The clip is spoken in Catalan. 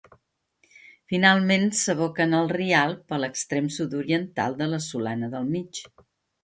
Finalment, s'aboca en el Rialb a l'extrem sud-oriental de la Solana del Mig.